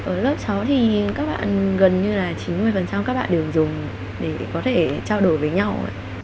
ở lớp sáu thì các bạn gần như là chín mươi các bạn đều dùng để có thể trao đổi với nhau